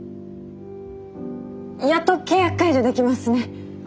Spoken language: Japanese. やっと契約解除できますね！